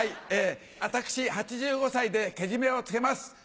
私８５歳でけじめをつけます！